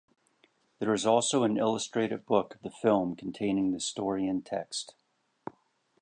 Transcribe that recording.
There is also an illustrated book of the film containing the story in text.